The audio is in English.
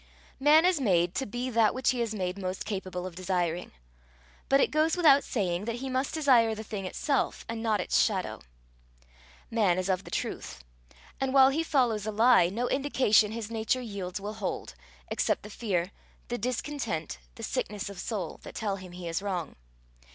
Man is made to be that which he is made most capable of desiring but it goes without saying that he must desire the thing itself and not its shadow. Man is of the truth, and while he follows a lie, no indication his nature yields will hold, except the fear, the discontent, the sickness of soul, that tell him he is wrong.